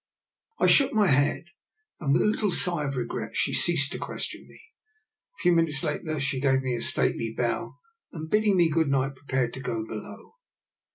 '* I shook my head, and with a little sigh of regret she ceased to question me. A few minutes later she gave me a stately bow, and, bidding me good night, prepared to go be low.